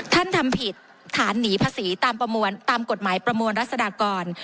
ท่านทำผิดฐานหนีภาษีตามกฎหมายประมวลรัศนากร